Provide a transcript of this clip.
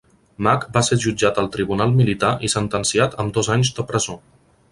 Mack va ser jutjat al tribunal militar i sentenciat amb dos anys de presó.